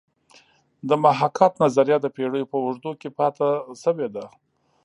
د محاکات نظریه د پیړیو په اوږدو کې پاتې شوې ده